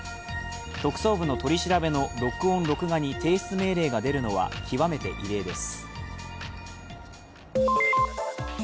特捜部の取り調べの録音・録画に提出命令が出るのは極めて異例です。